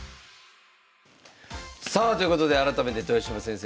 さあということで改めて豊島先生